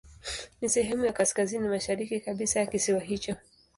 Ni sehemu ya kaskazini mashariki kabisa ya kisiwa hicho.